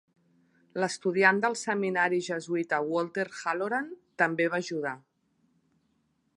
L'estudiant del seminari jesuïta Walter Halloran també va ajudar.